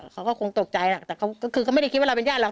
เขาก็คงตกใจแหละแต่ก็คือก็ไม่ได้คิดว่าเราเป็นญาติเรา